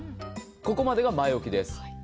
ここまでが前置きです。